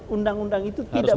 undang undang itu tidak